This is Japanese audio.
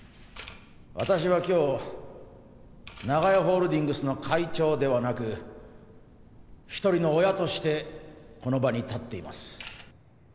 私は今日長屋ホールディングスの会長ではなく一人の親としてこの場に立っています。